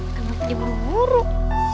gak mungkin mau nguruk